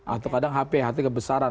atau kadang hp hp kebesaran